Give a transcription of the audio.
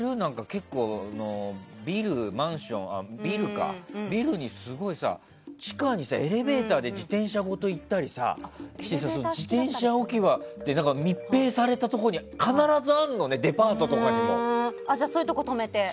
結構、ビルにすごい地下にエレベーターで自転車ごと行ったり自転車置き場って密閉されたところに必ずあるのね、デパートとかにも。そういうところに止めて。